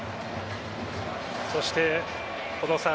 そして小野さん